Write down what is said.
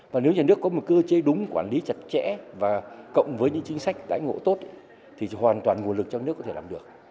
và nếu nhà nước có một cơ chế đúng quản lý chặt chẽ và cộng với những chính sách đãi ngộ tốt thì hoàn toàn nguồn lực trong nước có thể làm được